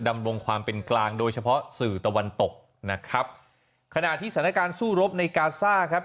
ดำรงความเป็นกลางโดยเฉพาะสื่อตะวันตกนะครับขณะที่สถานการณ์สู้รบในกาซ่าครับ